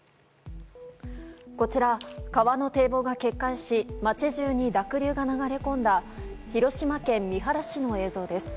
こちら、川の堤防が決壊し街中に濁流が流れ込んだ広島県三原市の映像です。